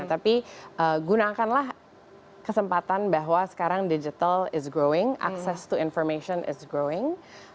tapi gunakanlah kesempatan bahwa sekarang digital is growing access to information is growing